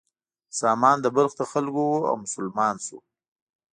سامان د بلخ له خلکو و او مسلمان شو.